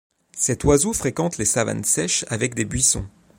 Cet oiseau fréquente les savanes sèches avec des buissons.